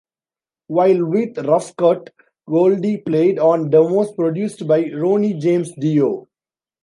While with Rough Cutt, Goldy played on demos produced by Ronnie James Dio.